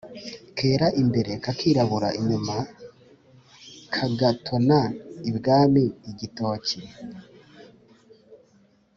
Kera imbere kakirabura inyuma kagatona ibwami-Igitoki.